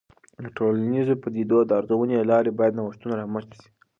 د ټولنیزو پدیدو د ارزونې له لارې باید نوښتونه رامنځته سي.